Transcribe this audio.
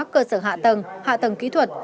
cơ sở hạ tầng hạ tầng kỹ thuật